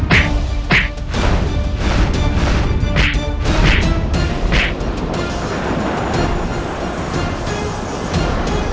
beraninya kau menolakku rangga soka